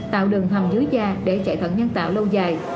tạo đường hầm dưới da để chạy thận nhân tạo lâu dài